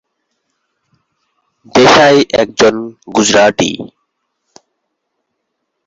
দেশাই একজন গুজরাটি।